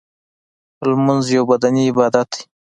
لمونځ یو بدنی عبادت دی .